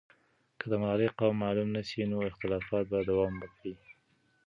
که د ملالۍ قوم معلوم نه سي، نو اختلافات به دوام وکړي.